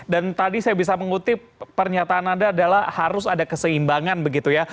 dan tadi saya bisa mengutip pernyataan anda adalah harus ada keseimbangan begitu ya